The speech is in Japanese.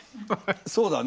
そうだね。